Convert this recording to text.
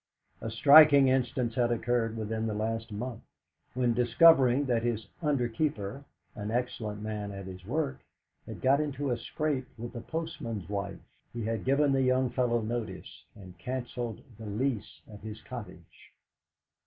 A striking instance had occurred within the last month, when, discovering that his under keeper, an excellent man at his work, had got into a scrape with the postman's wife, he had given the young fellow notice, and cancelled the lease of his cottage.